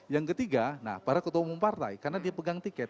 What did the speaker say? yang ketiga nah para ketua umum partai karena dia pegang tiket